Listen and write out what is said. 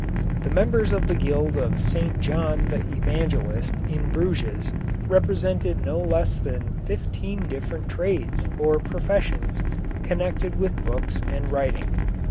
The members of the Guild of St John the Evangelist in Bruges represented no less than fifteen different trades or professions connected with books and writing.